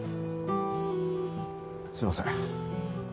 すいません。